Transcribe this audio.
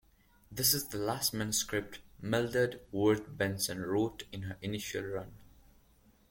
This is the last manuscript Mildred Wirt Benson wrote in her initial run.